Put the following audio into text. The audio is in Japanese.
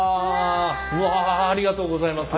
わあありがとうございます。